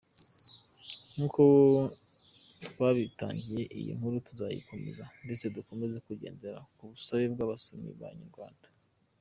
Nkuko twabitangiye iyi nkuru tuzayikomeza ndetse dukomeza kugendera kubusabe bw’abasomyi ba inyarwanda.